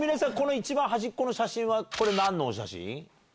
一番端っこの写真は何のお写真？